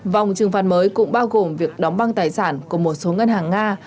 vòng trừng phạt mới cũng bao gồm việc đóng băng tài sản của một số ngân hàng nga